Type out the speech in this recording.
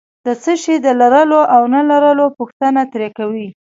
د څه شي د لرلو او نه لرلو پوښتنه ترې کوي.